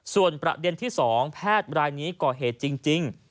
ส่วนประเด็นที่๒แพทย์รายนี้ก่อเหตุจริง